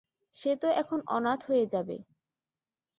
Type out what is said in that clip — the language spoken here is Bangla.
সেতো এখন অনাথ হয়ে যাবে।